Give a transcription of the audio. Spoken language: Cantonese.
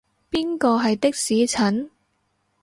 邊個係的士陳？